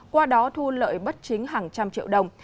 qua đó thu lợi bất chính hàng trăm triệu đồng